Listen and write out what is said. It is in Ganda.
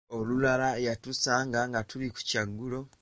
Olulala yatusanga tuli ku kyaggulo.